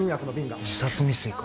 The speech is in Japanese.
自殺未遂か。